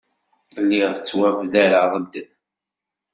Lliɣ ttwabdareɣ-d.